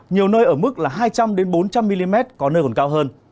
nhiều nơi ở mức là hai trăm linh bốn trăm linh mm có nơi còn cao hơn